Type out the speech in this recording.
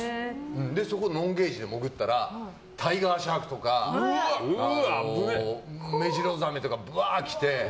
そこノンゲージで潜ったらタイガーシャークとかメジロザメとかぶわーって来て。